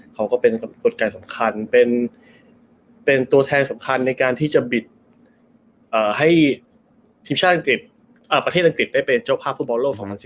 เขาก็เป็นกฎการสำคัญเป็นตัวแทนสำคัญในการที่จะบิดให้ทีมชาติอังกฤษประเทศอังกฤษได้เป็นเจ้าภาพฟุตบอลโลก๒๐๑๙